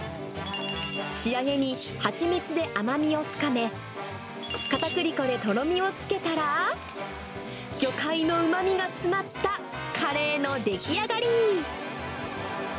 仕上げに蜂蜜で甘みを深め、かたくり粉でとろみをつけたら、魚介のうまみが詰まったカレーの出来上がり。